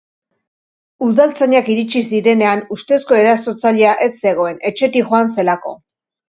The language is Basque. Udaltzainak iritsi zirenean, ustezko erasotzailea ez zegoen, etxetik joan zelako.